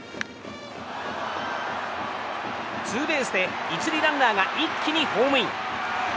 ツーベースで１塁ランナーが一気にホームイン。